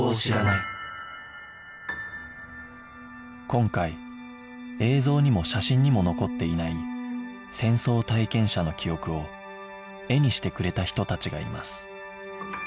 今回映像にも写真にも残っていない戦争体験者の記憶を絵にしてくれた人たちがいます